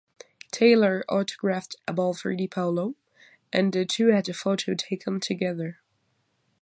Taylor autographed a ball for DiPaolo, and the two had a photo taken together.